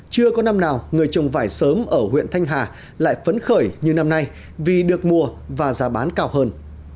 chưa có năm nào người trồng vải sớm ở huyện thanh hà lại phấn khởi như năm nay vì được mùa và giá bán cao hơn